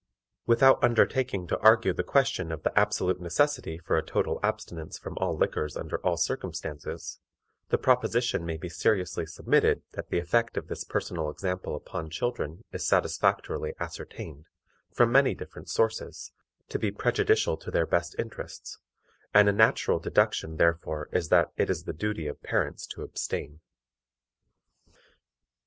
Without undertaking to argue the question of the absolute necessity for a total abstinence from all liquors under all circumstances, the proposition may be seriously submitted that the effect of this personal example upon children is satisfactorily ascertained, from many different sources, to be prejudicial to their best interests, and a natural deduction therefore is that it is the duty of parents to abstain.